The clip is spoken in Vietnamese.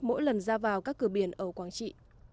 mỗi lần ra vào các cửa biển ở quảng trị